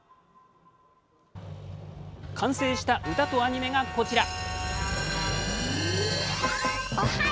完成した歌とアニメが、こちら。